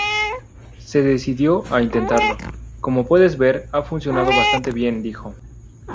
Se decidió a intentarlo, "¡Como puedes ver ha funcionado bastante bien!, dijo.